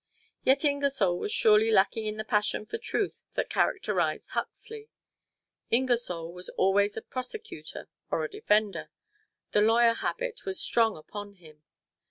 Yet Ingersoll was surely lacking in the passion for truth that characterized Huxley. Ingersoll was always a prosecutor or a defender: the lawyer habit was strong upon him.